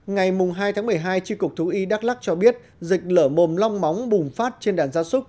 ngày hai tháng một mươi hai tri cục thú y đắk lắc cho biết dịch lở mồm long móng bùng phát trên đàn gia súc